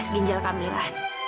tes ginjal kamila